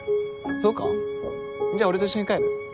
そうかじゃあ俺と一緒に帰る？